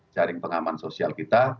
jaring pengaman sosial kita